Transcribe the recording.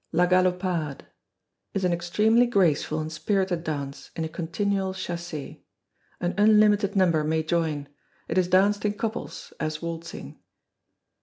La Galopade is an extremely graceful and spirited dance, in a continual chassez. An unlimited number may join; it is danced in couples, as waltzing.